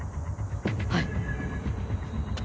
はい。